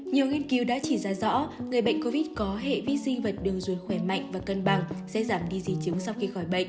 nhiều nghiên cứu đã chỉ ra rõ người bệnh covid có hệ vi sinh vật đường ruột khỏe mạnh và cân bằng sẽ giảm đi di chứng sau khi khỏi bệnh